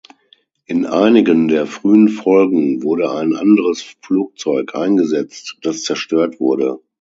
In einigen der frühen Folgen wurde ein anderes Flugzeug eingesetzt, das zerstört wurde.